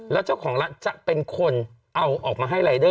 แล้วเจ้าของร้านจะเป็นคนเอาออกมาให้รายเดอร์